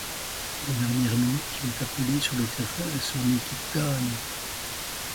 À la dernière minute, il est appelé sur le terrain et son équipe gagne.